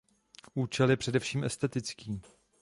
Účel je především estetický.